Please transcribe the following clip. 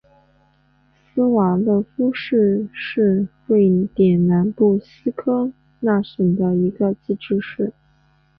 斯瓦勒夫市是瑞典南部斯科讷省的一个自治市。